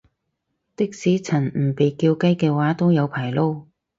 的士陳唔被叫雞嘅話都有排撈